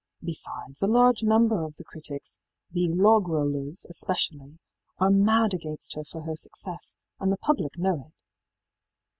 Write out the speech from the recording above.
Besides, a large number of the critics the ìlog rollersî especially are mad against her for her success, and the public know it.